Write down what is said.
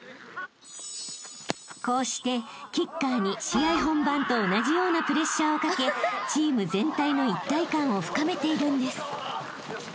［こうしてキッカーに試合本番と同じようなプレッシャーをかけチーム全体の一体感を深めているんです］